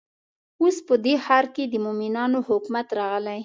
اوس په دې ښار کې د مؤمنانو حکومت راغلی.